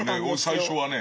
最初はね。